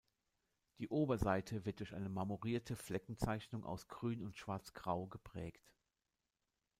Die Oberseite wird durch eine marmorierte Fleckenzeichnung aus Grün und Schwarz-Grau geprägt.